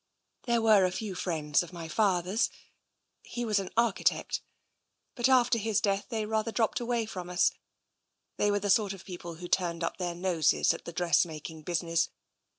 There were a few friends of my father's — he was an archi tect — but after his death they rather dropped away from us. They were the sort of people who turned up their noses at the dressmaking business.